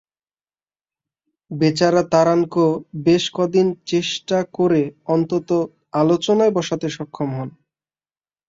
বেচারা তারানকো বেশ কদিন চেষ্টা করে অন্তত আলোচনায় বসাতে সক্ষম হন।